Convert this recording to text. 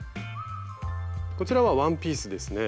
こちらはワンピースですね。